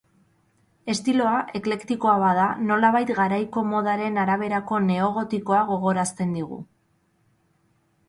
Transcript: Estiloa, eklektikoa bada, nolabait garaiko modaren araberako neogotikoa gogorazten digu.